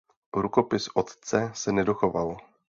Rukopis "Otce" se nedochoval.